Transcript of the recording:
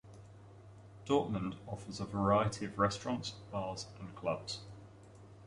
Dortmund offers a variety of restaurants, bars and clubs.